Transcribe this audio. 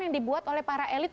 yang dibuat oleh para elit